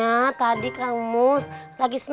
apa yang kamu lakukan